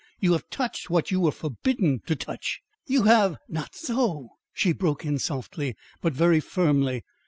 You have touched what you were forbidden to touch! You have " "Not so," she broke in softly but very firmly.